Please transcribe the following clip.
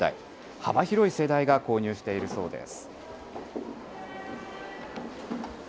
幅広い世代が購入しているそうです。